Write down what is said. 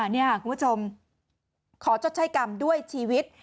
นี่คุณผู้ชมขอชดใช้กรรมด้วยชีวิต